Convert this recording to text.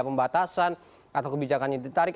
pembatasan atau kebijakan yang ditarik